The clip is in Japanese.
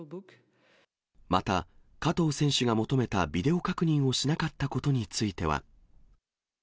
また、加藤選手が求めたビデオ確認をしなかったことについては。